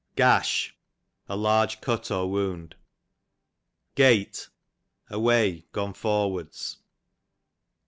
Gash, a large cut or wound. Gate, a tvay, gonefonvards.